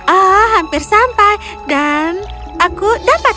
oh hampir sampai dan aku dapat